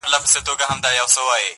په ګردش کي زما د عمر فیصلې دي،